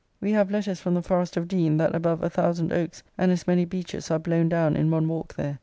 We have letters from the forest of Deane, that above 1000 Oakes and as many beeches are blown down in one walk there.